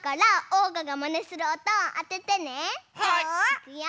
いくよ。